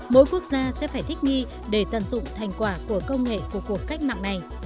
mỗi quốc gia sẽ phải thích nghi để tận dụng thành quả của công nghệ của cuộc cách mạng này